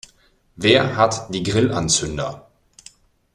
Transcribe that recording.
Wer hat die Grillanzünder?